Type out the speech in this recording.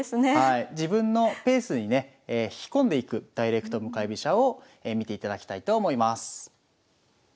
自分のペースにね引き込んでいくダイレクト向かい飛車を見ていただきたいと思います。